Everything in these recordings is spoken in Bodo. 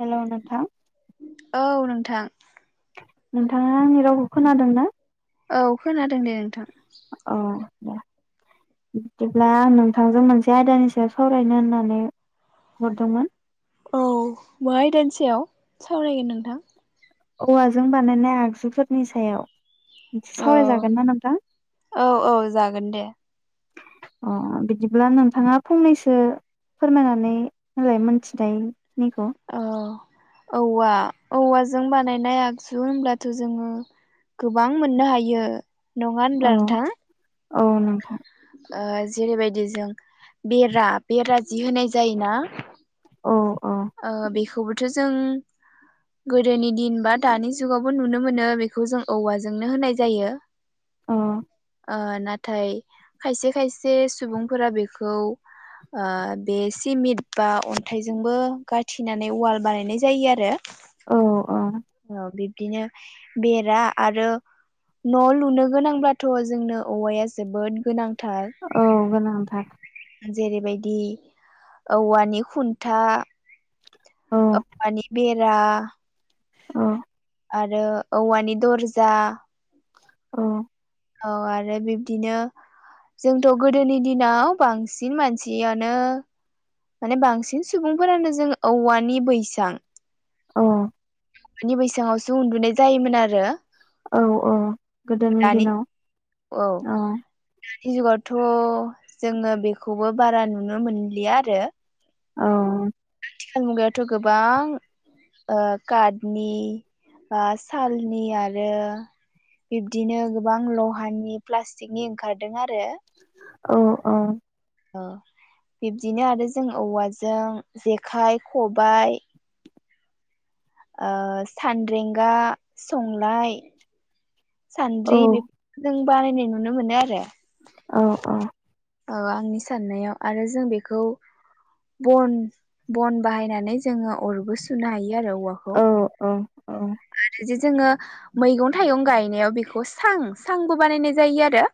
हेलौ नोंथां औ नोंथां नोंथाङा आंनि रावखौ खोनादों ना? औ खोनादों दे नोंथां औ बिदिब्ला आं नोंथांजों मोनसे आयदानि सायाव सावरायनो होननानै हरदोंमोन औ मा आयदानि सायाव सावरायगोन नोंथां? औवाजों बानायनाय आगजुफोरनि सायाव औ सावरायजागोन ना नोंथां? औ औ जागोन दे अ बिदिब्ला नोंथाङा फंनैसो फोरमायनानै होलाय मोनथिनाय अ औवा औवाजों बानायनाय आगजु होनब्लाथ जोङो गोबां मोननो हायो। नङा औ होनब्ला नोंथां? औ नोंथां। ओ जेरैबायदि जों बेरा बेरा जि होनाय जायोना? औ। औ थ जों गोदोनि दिन बा दानि जुगावबो नुनो मोनो बेखौ जों औवाजोंनो होनाय जायो। औ ओ नाथाय खायसे खायसे सुबुंफोरा बेखौ ओ बे सिमिट बा अन्थाइजोंबो गाथिनानै वाल बानायनाय जायो आरो औ। औ औ बिब बिदिनो बेरा आरो न लुनो गोनांब्लााथ जोंनो औवाया जोबोद गोनां औ गोनांथार। जेरैबायदि औवानि खुन्था औवानि बेक रा। अ आरो औवानि दरजा। औ औ आरो बिब्दिनो जोंथ गोदोनि दिनाव बांसिन मानसियानो माने बांसिन सुबुंफोरानो जों औवानि बैसां अ मानि बैसेङावसो उन्दुनाय जायोमोन आरो औ औ गोदोनि दानि दिनाव औ। जि जुगावथ जोङो बेखौबो बारा नुनो मोनलिया आरो अ आथिखाल मुगायावथ गोबां ओ काटनि ओ सालनि आरो बिब्दिनो गोबां लहानि प्लास्टिकनि ओंखारदों आरो आरो औ औ। बिब्दिनो आरो जों औवाजों जेखाइ -खबायाइ ओ सानरेंगा, संलाय सान्द्रि औ बेफोर जों बानायनाय नुनो मोनो आरो औ औ। आंनि साननायाव आरो जों बेखौ बन बन बाहायनानै जोङो अरबो सुनो हायो आरो औवाखौ। औ औ। जे जोङो मैगं थाइगं गायनायाव बेखौ सां सांबो बानायनाय जायो आरो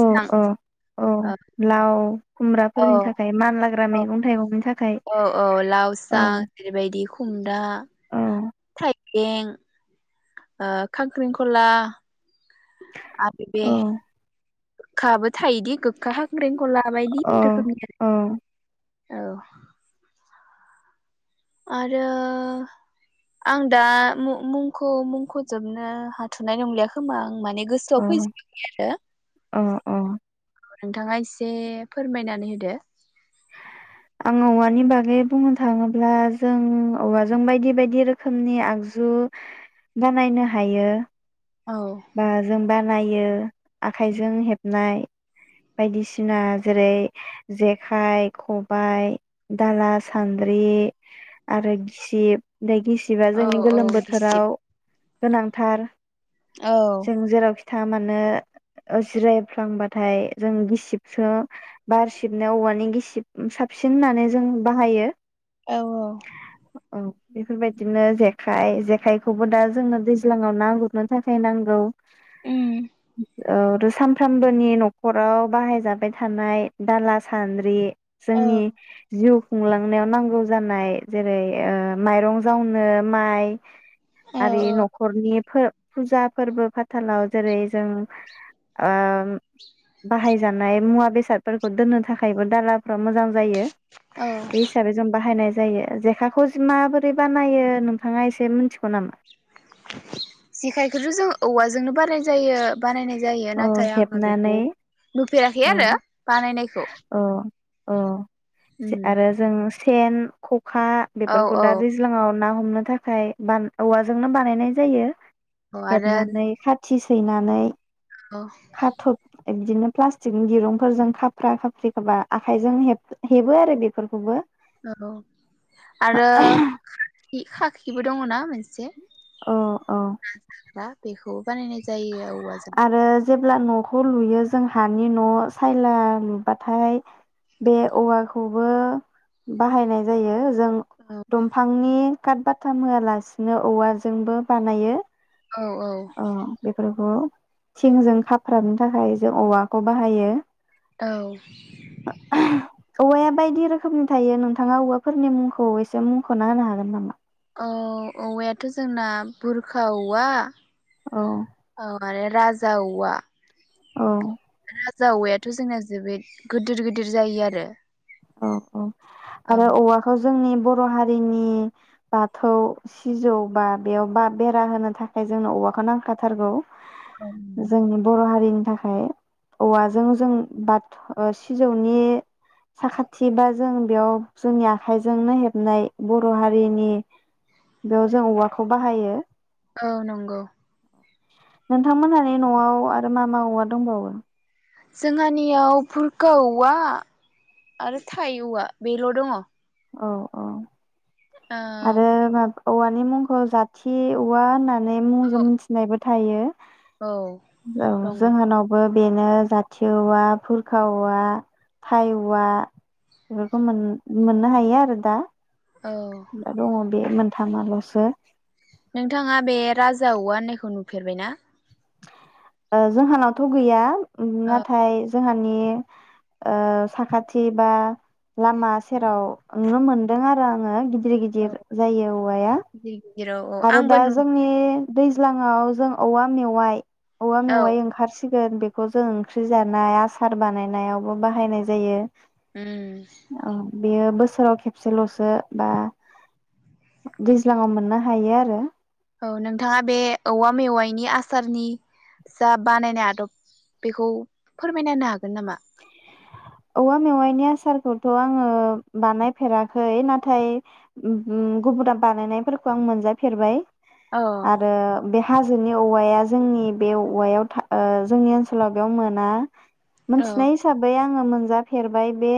औ- औ- औ लाव औ खुमब्राफोरनि थाखाय मानलाग्रा मैगं -औ- थाइगंनि थाखाय औ- औ औ लावसा बेफोरबायदि खुम्रा औ थायो। एं। ओ खांख्रिंखला आ बे औ खाबो थायोदि गोखा खांख्रेंखला बायदि औ रोखोमनि आरो। औ औ। आरो आं दा मुं-मुंखौ मुंखौजोबनो हाथ नाय नंलिया खोमा आं माने गोसोआव औ फैजोबाखै आरो। औ नोंथाङा एसे फोरमायनानै होदो। आं औवानि बागै बुंनो थाङोब्ला जों औवाजों बायदि बायदि रोखोमनि आगजु बानायनो हायो। औ बा जोंबा नायो आखाइजों हेबनाय बायदिसिना जेरै जेखाइ, खबाइ दाला, सान्द्रि आरो गिसिब गिसिबा औ जोंनि औ गोलोम गिसिब बोथोराव गोनांथार। औ जों जेरावखि थाङा मानो जिरायफ्लांबाथाय जों गिसिबसो बार सिबनायाव औवानि गिसिब साबसिन होन्नानै जों बाहायो। औ औ। औ बेफोरबायदिनो जेखाइ जेखायखौबो दा जोंनो दैज्लाङाव नांगुरनो थाखाय नांगौ। उम [inaudible] औ सानफ्रामबोनि न'खराव बाहायजाबाय थानाय दाला सान्द्रि औ जोंनि जिउ खुंलांनायाव नांगौ जानाय जेरै ओ माइरं जावनो माइ औ आरि औ न'खरनिफोर फुजा फोर्बो फाथालाव जेरै जों ओ बाहायजानाय मुवा बेसादफोरखौ दोन्नो थाखायबो दालाफ्रा मोजां जायो। औ बे हिसाबै जों बाहायनाय जायो। जेखाखौ माबोरै बानायो नोंथाङा एसे मिन्थिगौ नामा? जेखायखौथ जों औवाजोंनो बाराय जायो। बानायनाय जायो अ नाथाय आङो बेखौ हेबनानै नुफेराखै अ आरो बा नायनायखौ। अ अ। जे आरो जों सेन, ख खा औ बेफोरखौ औ दा दैज्लाङाव ना ह हमनो थाखाय बा औवाजोंनो बानायनाय जायो। औ आरो हेबनानै खाथि सै सैनानै औ। खाथब बिदिनो प्लास्टिकनि दिरुंफोरजों खा खाफ्रा खाफ्रि खोबा आखाइजों हेब-हेबो आरो बेफोरखौबो। औ आरो खाखि खाखिबो दङ ना? [unintelligible] औ औ बेखौ बानायनाय जायो औवाजों ब्ला नखौ लुयो जों हानि न सायला लुबाथाय बे औवाखौबो बाहायनाय जायो जों औ दंफांनि काट बाथाम होआलासिनो औवाजोंबो बानायो औ औ औ बेफोरखौ थिंजों खाफ्रानो थाखाय जों औवाखौ बाहायो औ औवाया बायदि रोखोमनि थायो नोंथाङा औवाफोरनि मुंखौ एसे मुंखना होनो हागोन नामा? औ औवायाथ जोंना बुरखा औवा औ माने राजा औवा औ राजा औवायाथ जोंना जोबोद गोदोर गोदोर जायो आरो औ औ औ आरो औवाखौ जोंनि बर हारिनि बाथौ सिजौ बा बेयाव बा बेरा होनो थाखाय जोंनो औवाखौ नांखाथारगौ औ जोंनि बर हारिनि थाखाय औवाजों जों बाथ सिजौनि साखाथि बा जों बेयाव जोंनि आखाइजोंनो हेबनाय बर‌हारिनि बेयाव जों औवाखौ बाहायो औ नंगौ नोंथांमोनहानि नआव आरो मा मा औवा दंबावो जोंहानियाव फुरखा औवा आरो थाइ औवा बेल दङ औ अ ओ आरो माब औवानि मुंखौ जाथि औवा होनना मुंजों मिथिनायबो थायो औ औ दङ जोंहानावबो बेनो जाथि औवा फुरखा औवा थाय औवा बेफोरखौ मोन मोन मोननो हायो आरो दा औ दा दङ बे मोनथामालसो नोंथाङा बे राजा औवा होननायखौ नुफेरबायना जोंहानावथ गैया उम औ नाथाय जोंहानि ओ साखाथि बा लामा सेराव नुनो मोनदों आरो आङो गिदिर औ गिदिर जायो औवाया गिदिर गिदिर औ औ आरो आंबो दा नु जोंनि दैज्लाङाव जों औवा मेवाइ औवा औ मेवाय ओंखारस सिगोन बेखौ जों ओंख्रि जानाय आसार बानायनायावबो बाहायनाय जायो। उम औ बेयो बोसोराव खेबसेल'सो बा दैज्लाङाव मोननो हायो आरो। औ नोंथाङा बे औवा मेवाइनि आसारनि जा बानायनाय आदब बेखौ फोरमायना होनो हागोन नामा? औवा मेवाइनि आसारखौथ' आङो बानायफेराखै नाथाय गुबुना बानायनायफोरखौ आं मोनजाफेरबाय। औ आरो बे हाजोनि औवाया जोंनि बे औवायाव था ओ जोंनि ओनसोलाव बेयाव मोना। औ मोनथिनाय हिसाबै आं [unintelligible] जाफेरबाय बे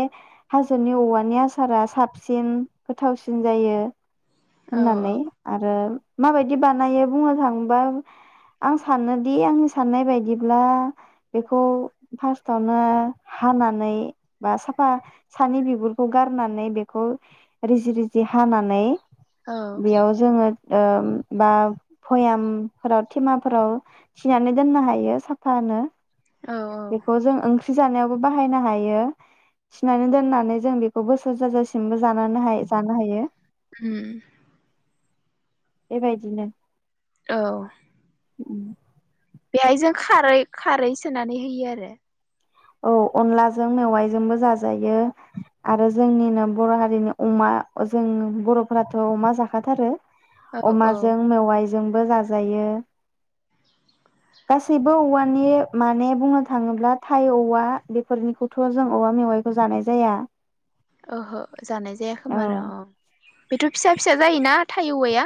हाजोनि औवानि आसारा साबसिन गोथावसिन जायो। होननानै आरो माबायदि बानायो बुंनो थाङोबा आं सानोदि आंनि साननाय बायदिब्ला बेखौ फार्स्टआवनो हानानै बा साफा सानि बिगुरखौ गारनानै बेखौ रिजि रिजि हानानै औ बेयाव जोङो बा भयामफोराव थेमाफोराव थिनानै दोननो हायो साफानो। औ औ बेखौ जों ओंख्रि जानायावबो बाहायनो हायो थिनानै दोननानै जों बेखौ बोसोर जाजासिमबो जाजा जानो हायो। उम उम ए बायदि नो। औ उम। बेहाय जों खारै-खारै सोनानै होयो आरो। औ अनलाजों मेवाइजोंबो जाजायो आरो आरो जोंनिनो बर' हारिनि अमा जों बर'फोराथ अमा जाखाथारो। औ औ अमाजों मेवाइ जोंबो जाजायो। गासैबो औवानि माने बुंनो थाङोब्ला थाइ औवा बेफोरनिखौथ' जों औवा मेवाइखौ जानाय जाया। ओहो जानाय जाया औ खोमा आरो अ बेथ' फिसा फिसा जायोना। थाइ औवाया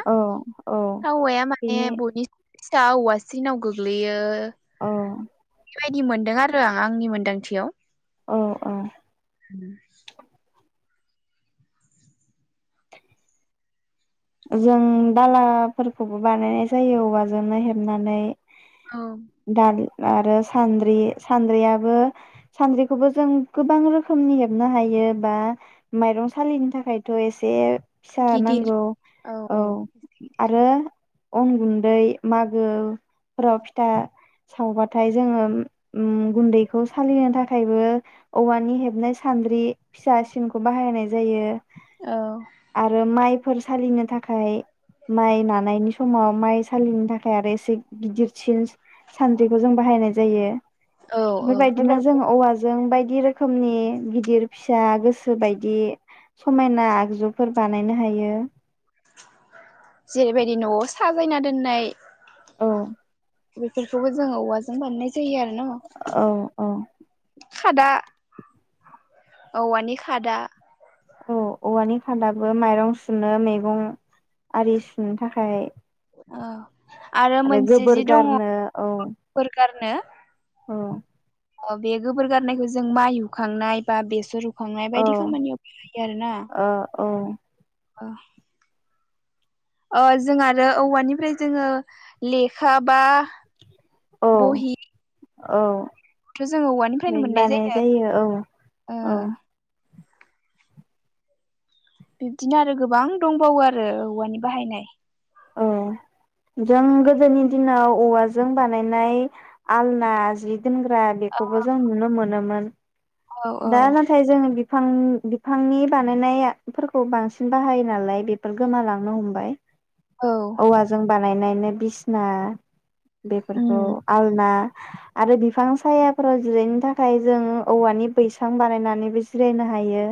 औ थाइ औवाया माने बिनि बयनि फिसा औवासिनाव गोग्लैयो। औ। बेबायदि मोनदों आरो आं आंनि मोनदांथियाव। औ औ [inaudible] जों दालाफोरखौबो बानायनाय जायो औवाजोंनो हेबनानै। औ दाल। आरो सानद्रि सानद्रियाबो सान्द्रिखौबो जों गोबां रोखोमनि हेबनो हायो बा माइरं सालिनि थाखायथ एसे फिसा गिदिर नांगौ। औ आरो। अन गुन्दै मागो फोराव फिथा सावबाथाय जोङो उम गुन्दैखौ सालिनो थाखायबो औवानि हेबनाय सान्द्रि फिसा सिनखौ बाहायनाय जायो। औ आरो माइ सालिनो थाखाय माइ नानायनि समाव माइ सालिनो थाखाय आरो एसे गिदिरसिन सान्द्रिखौ जों बाहायनाय जायो। औ बेफोर औ बायदिनो जों औवाजों बायदि। बायदि रोखोमनि गिदिर फिसा गोसो बायदि समायना आगजुफोर बानायनो हायो। जेरै बायदि नआव सा खैना दोननाय औ। बेफोरखौबो जोङो औवाजों बानायनाय जायो। जायो आरो औ औ न। खादा औवानि खादा। औ औवानि खादाबो माइरं सुनो मैगं आरि सुनो थाखाय। औ। आरो गोबोर गारनो औ नो औ अह बे गोबोर गारनायखो जों माइ हुखांनाय बा बेसर हु खांनाय औ बायदि खामानियाव बाहायो आरोना ओ अह ओह जों आरो औवानिफ्राय जोङो लेखा बा औ बहि औ। थ जोङो औवानिफ्रायनो मोननाय बानाय जायो औ औ ओह बिब्दिनोआरो गोबां दंबावो आरो औवानि बाहायनाय। औ जों गोदोनि दिनाव औवाजों बानायनाय आलना जि दोनग्रा बेखौबो जों नुनो मोनोमोन। औ औ दा नाथाय जोङो बिब बिफां बिफांनि बानायनायफोरखौ बांसिन बाहायोनालाय बेफोर गोमालांनो हमबाय। औ औवाजों बानायनाय नेम बिसना बेफोरखौ उम आलना आरो बिफां सायाफोराव जिरायनो थाखाय जों औवानिब बैसां बानायनानैबो जिरायनो हायो।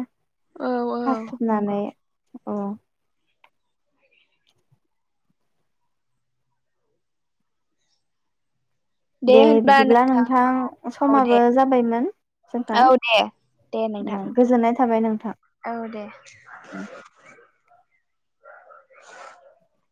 औ औ नंगौ हासोबनानै अह दे बिदिब्ला नोंथां औ समाबो दे जाबायमोन जोंहा औ दे दे नोंथां उम गोजोननाय थाबाय नोंथां औ दे उम। [inaudible]